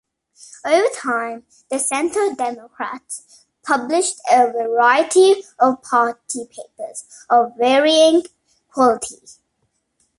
Over time the Centre Democrats published a variety of party papers of varying quality.